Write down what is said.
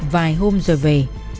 vài hôm rồi về